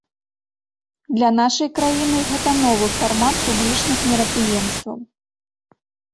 Для нашай краіны гэта новы фармат публічных мерапрыемстваў.